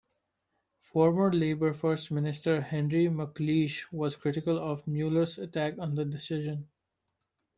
Former Labour First Minister Henry McLeish was critical of Mueller's attack on the decision.